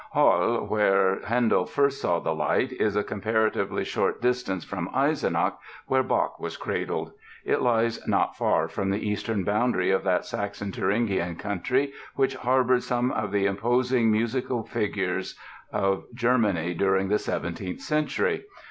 Halle, where Handel first saw the light, is a comparatively short distance from Eisenach, where Bach was cradled. It lies not far from the eastern boundary of that Saxon Thuringian country which harbored some of the imposing musical figures of Germany during the 17th Century.